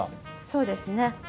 そうですね。